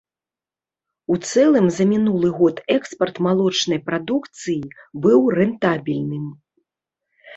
У цэлым за мінулы год экспарт малочнай прадукцыі быў рэнтабельным.